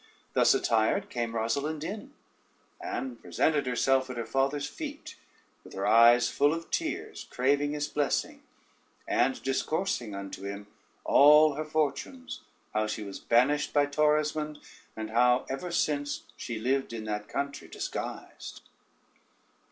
Thus attired came Rosalynde in, and presented herself at her father's feet, with her eyes full of tears, craving his blessing, and discoursing unto him all her fortunes, how she was banished by Torismond, and how ever since she lived in that country disguised.